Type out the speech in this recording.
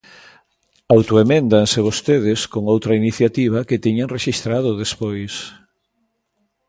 Autoeméndase vostedes con outra iniciativa que tiñan rexistrado despois.